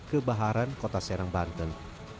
ke baharan kota serang banten